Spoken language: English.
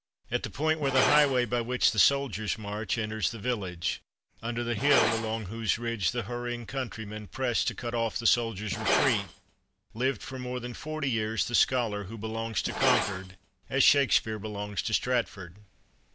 At the point where the highway by which the soldiers marched enters the village, under the hill along whose ridge the hurrying countrymen pressed to cut off the soldiers' retreat, lived for more than forty years the scholar who belongs to Concord as Shakespeare belongs to Stratford.